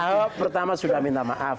saya pertama sudah minta maaf